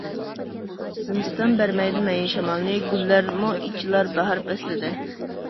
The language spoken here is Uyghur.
زىمىستان بەرمەيدۇ مەيىن شامالنى، گۈللەرمۇ ئېچىلار باھار پەسلىدە.